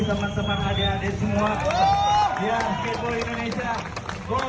teman teman adik adik semua